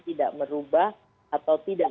tidak merubah atau tidak